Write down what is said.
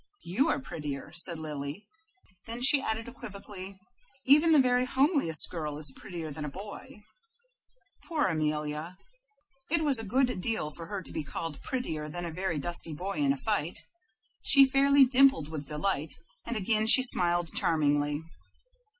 "You are prettier," said Lily. Then she added, equivocally, "Even the very homeliest girl is prettier than a boy." Poor Amelia, it was a good deal for her to be called prettier than a very dusty boy in a fight. She fairly dimpled with delight, and again she smiled charmingly.